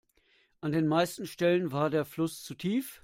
An den meisten Stellen war der Fluss zu tief.